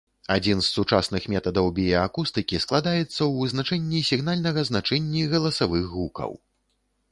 Адзін з сучасных метадаў біяакустыкі складаецца ў вызначэнні сігнальнага значэнні галасавых гукаў.